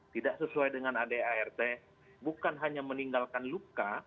tidak sesuai dengan adart bukan hanya meninggalkan luka